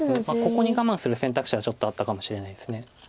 ここに我慢する選択肢はちょっとあったかもしれないです。